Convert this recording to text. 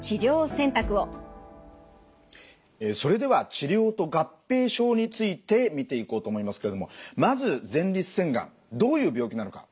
それでは治療と合併症について見ていこうと思いますけれどもまず前立腺がんどういう病気なのかおさらいをしましょう。